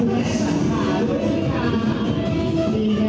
สุดท้ายก็ไม่มีเวลาที่จะรักกับที่อยู่ในภูมิหน้า